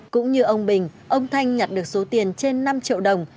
cũng như ông bình ông thanh nhặt được số tiền trên năm triệu đồng